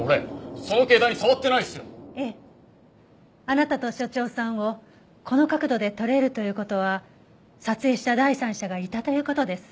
あなたと所長さんをこの角度で撮れるという事は撮影した第三者がいたという事です。